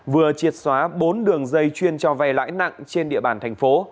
vừa triệt xóa bốn đường dây chuyên cho vay lãi nặng trên địa bàn thành phố